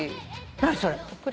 何それ？